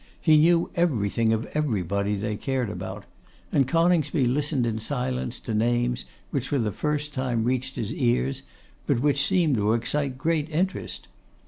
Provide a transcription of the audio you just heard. He knew everything of everybody they cared about; and Coningsby listened in silence to names which for the first time reached his ears, but which seemed to excite great interest.